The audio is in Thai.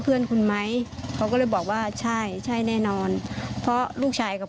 เพื่อนคุณไหมเขาก็เลยบอกว่าใช่ใช่แน่นอนเพราะลูกชายกับ